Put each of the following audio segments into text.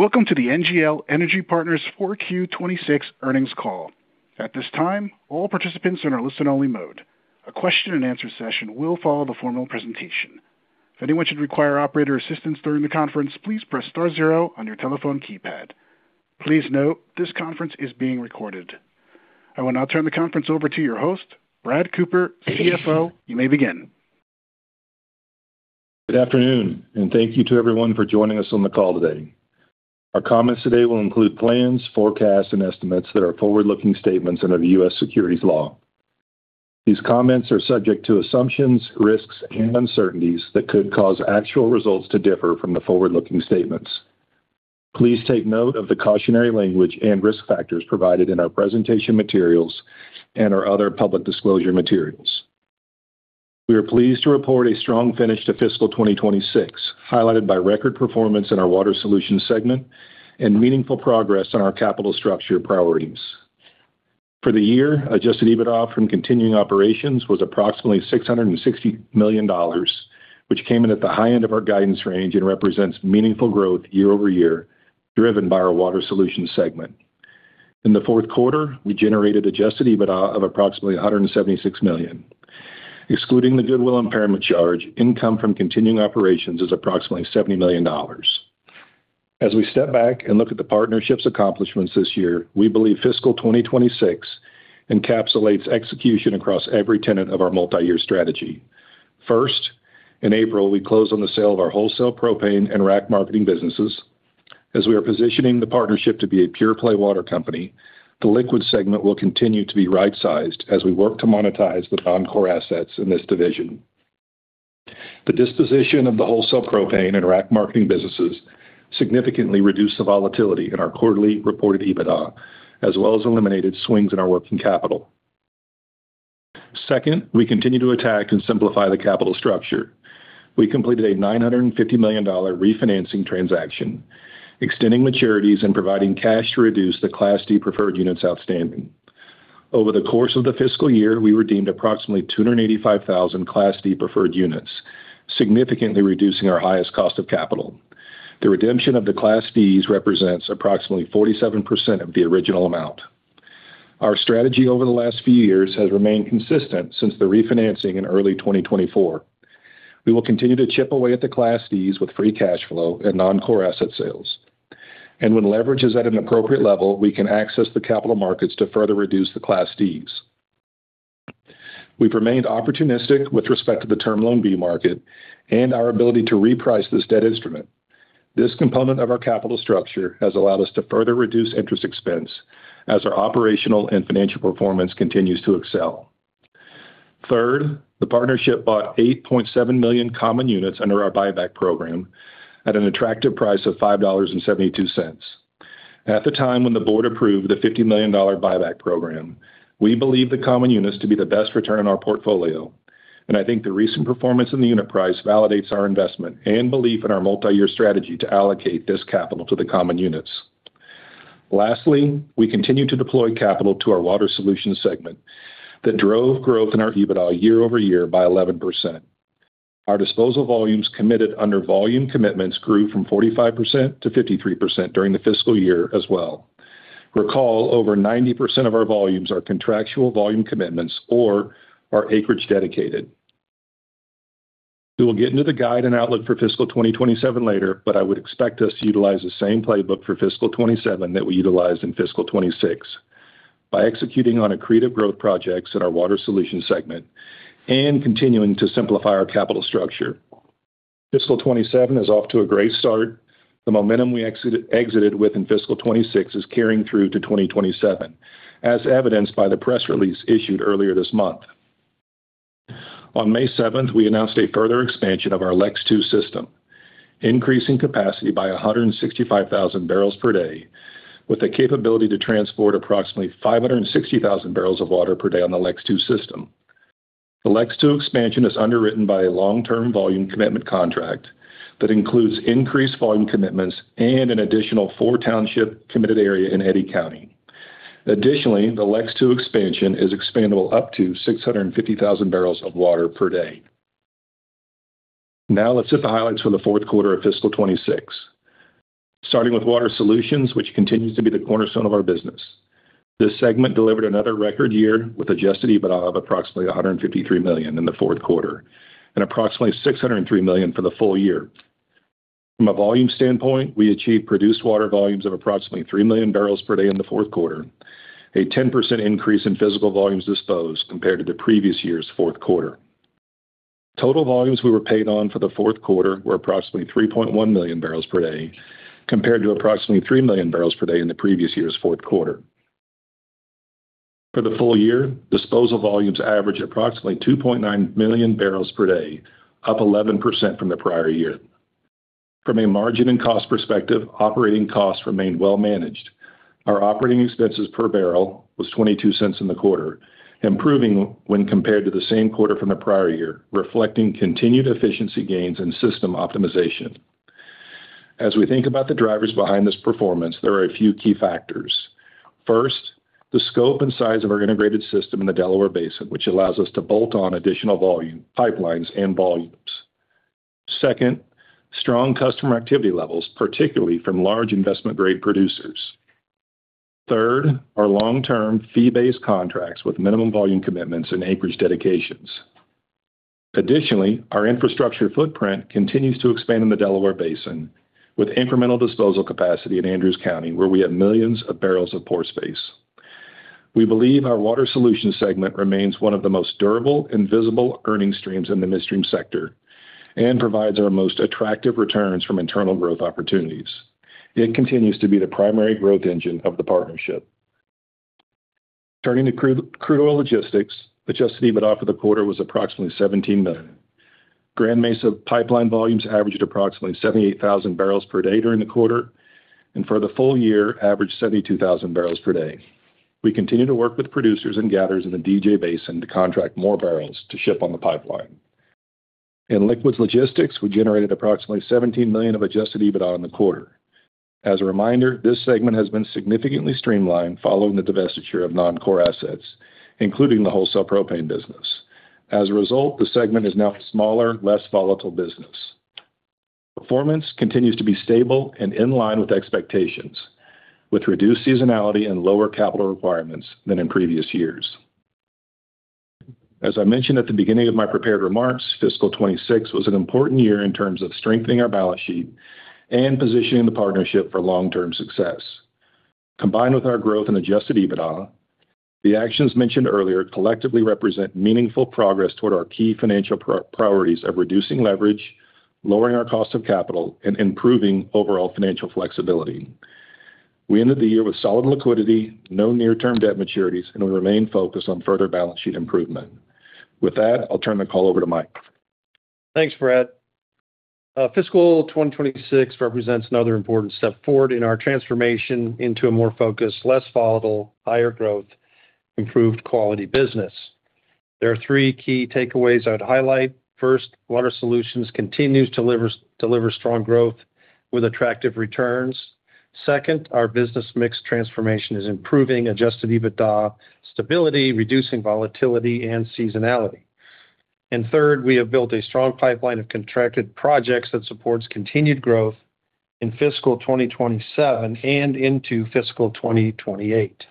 Greetings. Welcome to the NGL Energy Partners 4Q26 earnings call. At this time, all participants are in listen only mode. A question and answer session will follow the formal presentation. If anyone should require operator assistance during the conference, please press star zero on your telephone keypad. Please note this conference is being recorded. I will now turn the conference over to your host, Brad Cooper, CFO. You may begin. Good afternoon and thank you to everyone for joining us on the call today. Our comments today will include plans, forecasts, and estimates that are forward-looking statements under the U.S. securities law. These comments are subject to assumptions, risks, and uncertainties that could cause actual results to differ from the forward-looking statements. Please take note of the cautionary language and risk factors provided in our presentation materials and our other public disclosure materials. We are pleased to report a strong finish to fiscal 2026, highlighted by record performance in our Water Solutions segment and meaningful progress on our capital structure priorities. For the year, adjusted EBITDA from continuing operations was approximately $660 million, which came in at the high end of our guidance range and represents meaningful growth year-over-year, driven by our Water Solutions segment. In the fourth quarter, we generated adjusted EBITDA of approximately $176 million. Excluding the goodwill impairment charge, income from continuing operations is approximately $70 million. We step back and look at the partnership's accomplishments this year, we believe fiscal 2026 encapsulates execution across every tenet of our multi-year strategy. First, in April, we closed on the sale of our wholesale propane and rack marketing businesses. We are positioning the partnership to be a pure-play water company, the Liquids Logistics segment will continue to be right-sized as we work to monetize the non-core assets in this division. The disposition of the wholesale propane and rack marketing businesses significantly reduced the volatility in our quarterly reported EBITDA, as well as eliminated swings in our working capital. Second, we continue to attack and simplify the capital structure. We completed a $950 million refinancing transaction, extending maturities and providing cash to reduce the Class D preferred units outstanding. Over the course of the fiscal year, we redeemed approximately 285,000 Class D preferred units, significantly reducing our highest cost of capital. The redemption of the Class Ds represents approximately 47% of the original amount. Our strategy over the last few years has remained consistent since the refinancing in early 2024. We will continue to chip away at the Class Ds with free cash flow and non-core asset sales. When leverage is at an appropriate level, we can access the capital markets to further reduce the Class Ds. We've remained opportunistic with respect to the term loan B market and our ability to reprice this debt instrument. This component of our capital structure has allowed us to further reduce interest expense as our operational and financial performance continues to excel. Third, the partnership bought 8.7 million common units under our buyback program at an attractive price of $5.72. At the time when the board approved the $50 million buyback program, we believed the common units to be the best return on our portfolio, and I think the recent performance in the unit price validates our investment and belief in our multi-year strategy to allocate this capital to the common units. Lastly, we continue to deploy capital to our Water Solutions segment that drove growth in our EBITDA year-over-year by 11%. Our disposal volumes committed under volume commitments grew from 45% to 53% during the fiscal year as well. Recall, over 90% of our volumes are contractual volume commitments or are acreage dedicated. We will get into the guide and outlook for fiscal 2027 later, but I would expect us to utilize the same playbook for fiscal 2027 that we utilized in fiscal 2026. By executing on accretive growth projects in our Water Solutions segment and continuing to simplify our capital structure. Fiscal 2027 is off to a great start. The momentum we exited with in fiscal 2026 is carrying through to 2027, as evidenced by the press release issued earlier this month. On May 7th, we announced a further expansion of our LEX2 system, increasing capacity by 165,000 barrels per day with the capability to transport approximately 560,000 barrels of water per day on the LEX2 system. The LEX2 expansion is underwritten by a long-term volume commitment contract that includes increased volume commitments and an additional four-township committed area in Eddy County. Additionally, the LEX2 expansion is expandable up to 650,000 barrels of water per day. Now let's hit the highlights for the fourth quarter of fiscal 2026. Starting with Water Solutions, which continues to be the cornerstone of our business. This segment delivered another record year with adjusted EBITDA of approximately $153 million in the fourth quarter and approximately $603 million for the full year. From a volume standpoint, we achieved produced water volumes of approximately 3 million barrels per day in the fourth quarter, a 10% increase in physical volumes disposed compared to the previous year's fourth quarter. Total volumes we were paid on for the fourth quarter were approximately 3.1 million barrels per day, compared to approximately 3 million barrels per day in the previous year's fourth quarter. For the full year, disposal volumes averaged approximately 2.9 million barrels per day, up 11% from the prior year. From a margin and cost perspective, operating costs remained well managed. Our operating expenses per barrel was $0.22 in the quarter, improving when compared to the same quarter from the prior year, reflecting continued efficiency gains and system optimization. As we think about the drivers behind this performance, there are a few key factors. First, the scope and size of our integrated system in the Delaware Basin, which allows us to bolt on additional pipelines and volumes. Second, strong customer activity levels, particularly from large investment-grade producers. Third, our long-term fee-based contracts with minimum volume commitments and acreage dedications. Additionally, our infrastructure footprint continues to expand in the Delaware Basin, with incremental disposal capacity in Andrews County, where we have millions of barrels of pore space. We believe our Water Solutions segment remains one of the most durable and visible earning streams in the midstream sector and provides our most attractive returns from internal growth opportunities. It continues to be the primary growth engine of the partnership. Turning to Crude Oil Logistics, adjusted EBITDA for the quarter was approximately $17 million. Grand Mesa pipeline volumes averaged approximately 78,000 barrels per day during the quarter, and for the full year, averaged 72,000 barrels per day. We continue to work with producers and gatherers in the DJ Basin to contract more barrels to ship on the pipeline. In Liquids Logistics, we generated approximately $17 million of adjusted EBITDA in the quarter. As a reminder, this segment has been significantly streamlined following the divestiture of non-core assets, including the wholesale propane business. As a result, the segment is now a smaller, less volatile business. Performance continues to be stable and in line with expectations, with reduced seasonality and lower capital requirements than in previous years. As I mentioned at the beginning of my prepared remarks, fiscal 2026 was an important year in terms of strengthening our balance sheet and positioning the partnership for long-term success. Combined with our growth and adjusted EBITDA, the actions mentioned earlier collectively represent meaningful progress toward our key financial priorities of reducing leverage, lowering our cost of capital, and improving overall financial flexibility. We ended the year with solid liquidity, no near-term debt maturities, and we remain focused on further balance sheet improvement. With that, I'll turn the call over to Mike. Thanks, Brad. Fiscal 2026 represents another important step forward in our transformation into a more focused, less volatile, higher growth, improved quality business. There are three key takeaways I'd highlight. First, Water Solutions continues to deliver strong growth with attractive returns. Second, our business mix transformation is improving adjusted EBITDA stability, reducing volatility and seasonality. Third, we have built a strong pipeline of contracted projects that supports continued growth in fiscal 2027 and into fiscal 2028.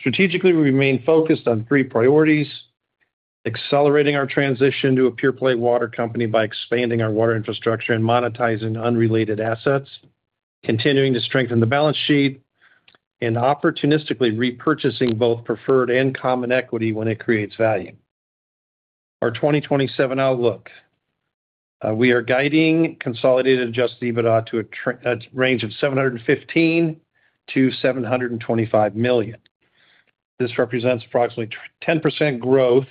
Strategically, we remain focused on three priorities: accelerating our transition to a pure play water company by expanding our water infrastructure and monetizing unrelated assets, continuing to strengthen the balance sheet, and opportunistically repurchasing both preferred and common equity when it creates value. Our 2027 outlook. We are guiding consolidated adjusted EBITDA to a range of $715 million-$725 million. This represents approximately 10% growth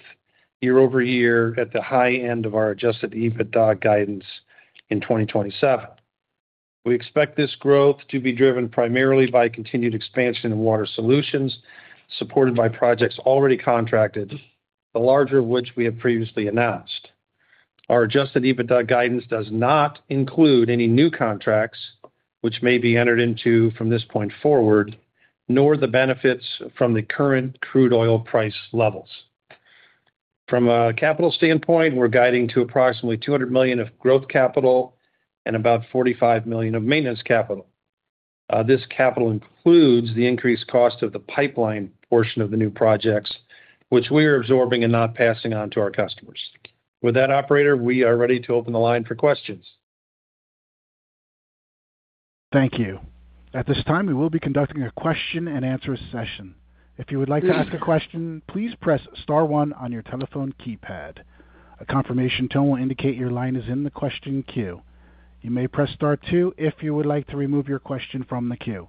year over year at the high end of our adjusted EBITDA guidance in 2027. We expect this growth to be driven primarily by continued expansion in Water Solutions, supported by projects already contracted, the larger of which we have previously announced. Our adjusted EBITDA guidance does not include any new contracts which may be entered into from this point forward, nor the benefits from the current crude oil price levels. From a capital standpoint, we're guiding to approximately $200 million of growth capital and about $45 million of maintenance capital. This capital includes the increased cost of the pipeline portion of the new projects, which we are absorbing and not passing on to our customers. With that, operator, we are ready to open the line for questions. Thank you. At this time we would be would be conducting a question and answer section. If you would like to ask a question please press star one on your telephone keypad, a confirmation tone indicate your line is in the question queue. You may press star two if you would like to remove your question from the queue.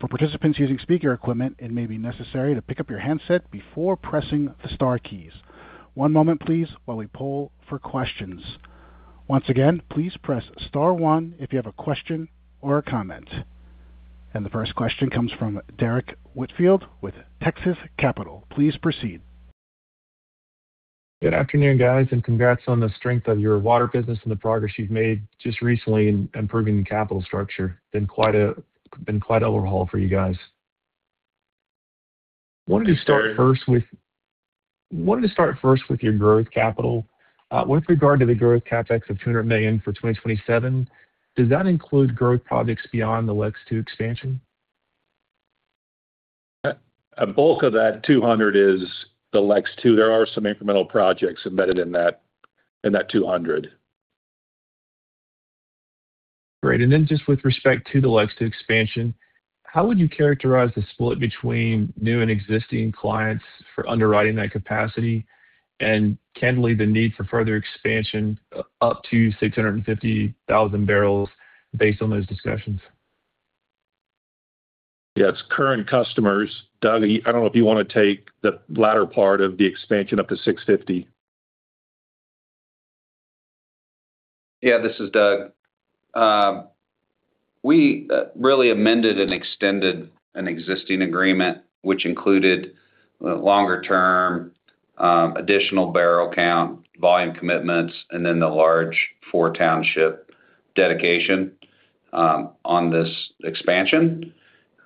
For participants using speaker equipment it may be necessary to pick up your handset before pressing star key. one moment please why we pull for questions. Once again please press star one if you have a question or comment. The first question comes from Derrick Whitfield with Texas Capital. Please proceed. Good afternoon, guys, and congrats on the strength of your water business and the progress you've made just recently in improving the capital structure. Been quite an overhaul for you guys. Wanted to start first with your growth capital. With regard to the growth CapEx of $200 million for 2027, does that include growth projects beyond the LEX II expansion? A bulk of that $200 is the LEX II. There are some incremental projects embedded in that $200. Great. Just with respect to the LEX II expansion, how would you characterize the split between new and existing clients for underwriting that capacity? Can you leave the need for further expansion up to 650,000 barrels based on those discussions? Yeah, it's current customers. Doug, I don't know if you want to take the latter part of the expansion up to 650. Yeah, this is Doug. We really amended and extended an existing agreement which included longer term, additional barrel count, volume commitments, and then the large four township dedication on this expansion.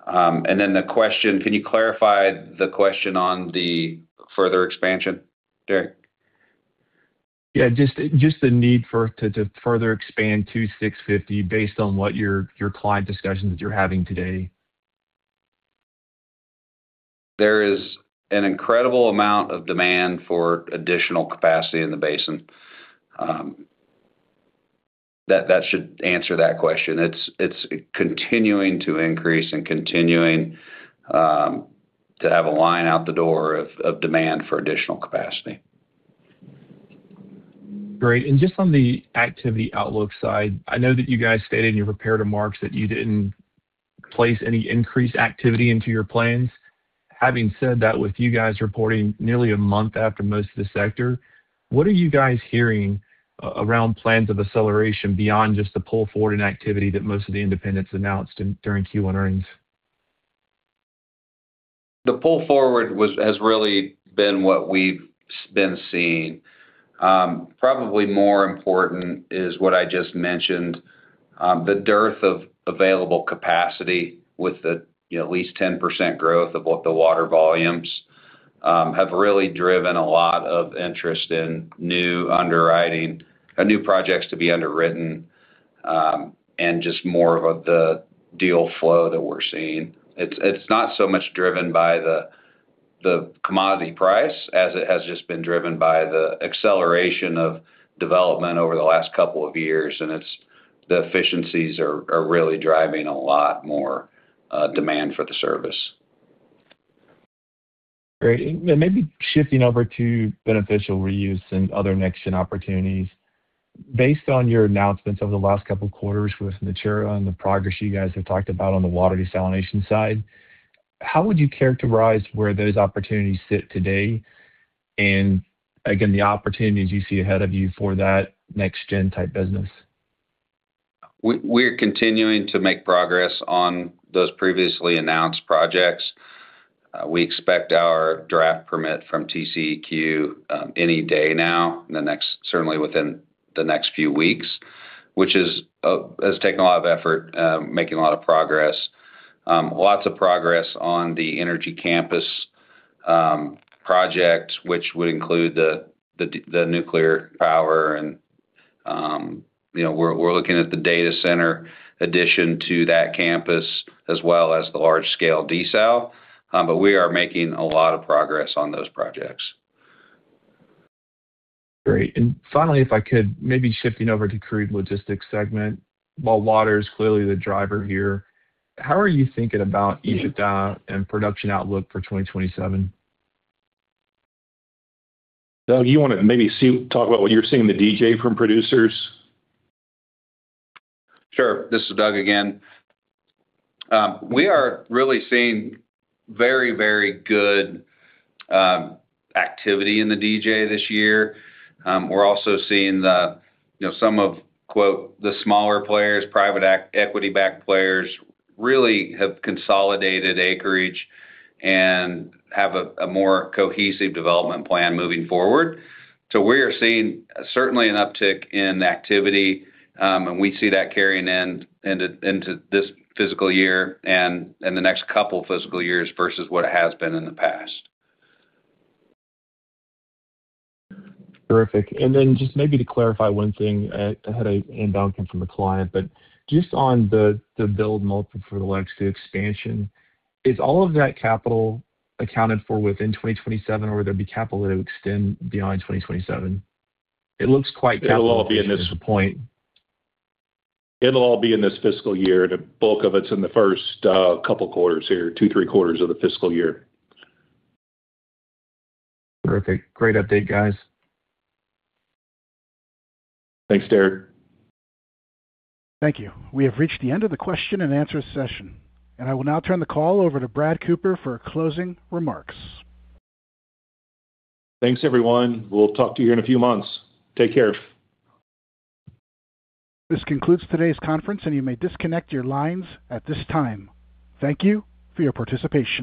The question, can you clarify the question on the further expansion, Derrick? Yeah, just the need to further expand to 650 based on what your client discussions that you're having today. There is an incredible amount of demand for additional capacity in the basin. That should answer that question. It's continuing to increase and continuing to have a line out the door of demand for additional capacity. Great. Just on the activity outlook side, I know that you guys stated in your prepared remarks that you didn't place any increased activity into your plans. Having said that, with you guys reporting nearly a month after most of the sector, what are you guys hearing around plans of acceleration beyond just the pull forward in activity that most of the independents announced during Q1 earnings? The pull forward has really been what we've been seeing. Probably more important is what I just mentioned. The dearth of available capacity with at least 10% growth of what the water volumes have really driven a lot of interest in new projects to be underwritten, and just more of the deal flow that we're seeing. It's not so much driven by the commodity price as it has just been driven by the acceleration of development over the last couple of years, and the efficiencies are really driving a lot more demand for the service. Great. Maybe shifting over to beneficial reuse and other next-gen opportunities. Based on your announcements over the last couple of quarters with Natura on the progress you guys have talked about on the water desalination side, how would you characterize where those opportunities sit today? Again, the opportunities you see ahead of you for that next-gen type business. We're continuing to make progress on those previously announced projects. We expect our draft permit from TCEQ any day now, certainly within the next few weeks, which has taken a lot of effort, making a lot of progress. Lots of progress on the energy campus project, which would include the nuclear power and we're looking at the data center addition to that campus as well as the large-scale desal. We are making a lot of progress on those projects. Great. Finally, if I could, maybe shifting over to Crude Oil Logistics segment. While water is clearly the driver here, how are you thinking about [eichter] and production outlook for 2027? Doug, you want to maybe talk about what you're seeing in the DJ from producers? Sure. This is Doug again. We are really seeing very good activity in the DJ this year. We're also seeing some of, quote, the smaller players, private equity-backed players, really have consolidated acreage and have a more cohesive development plan moving forward. We are seeing certainly an uptick in activity, and we see that carrying into this fiscal year and the next couple of fiscal years versus what it has been in the past. Terrific. Just maybe to clarify one thing, I had an inbound come from a client. Just on the build multiple for the LEX2 expansion, is all of that capital accounted for within 2027, or would there be capital that would extend beyond 2027? It looks quite capital efficient at this point. It'll all be in this fiscal year, and the bulk of it's in the first couple quarters here, two, three quarters of the fiscal year. Perfect. Great update, guys. Thanks, Derrick. Thank you. We have reached the end of the question and answer session. I will now turn the call over to Brad Cooper for closing remarks. Thanks, everyone. We'll talk to you here in a few months. Take care. This concludes today's conference, and you may disconnect your lines at this time. Thank you for your participation.